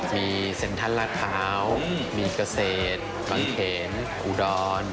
มีเซ็นทรัฐพร้าวมีเกษตรบังเทศอุดร